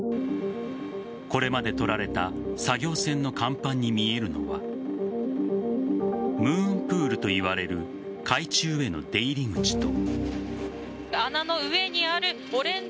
これまで撮られた作業船の甲板に見えるのはムーンプールといわれる海中への出入り口と。